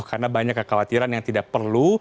karena banyak kekhawatiran yang tidak perlu